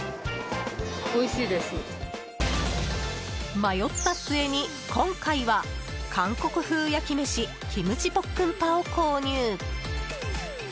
迷った末に、今回は韓国風焼き飯キムチポックンパを購入。